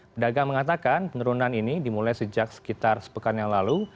pedagang mengatakan penurunan ini dimulai sejak sekitar sepekan yang lalu